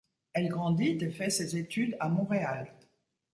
Elle grandit et fait ses études à Montréal.